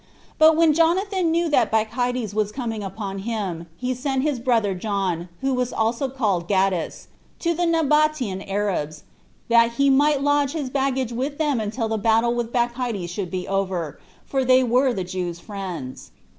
But when Jonathan knew that Bacchides Was coming upon him, he sent his brother John, who was also called Gaddis, to the Nabatean Arabs, that he might lodge his baggage with them until the battle with Bacchides should be over, for they were the Jews' friends.